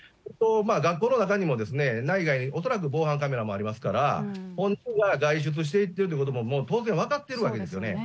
学校の中にも内外に恐らく防犯カメラもありますから、本人は外出しているということももう当然分かっているわけですよね。